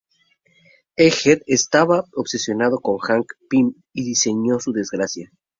Egghead estaba obsesionado con Hank Pym y diseñó su desgracia.